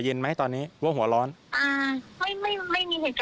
ก็ไม่มีปัญหาอะไร